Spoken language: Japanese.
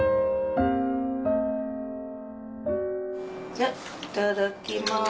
じゃいただきます。